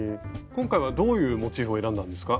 今回はどういうモチーフを選んだんですか？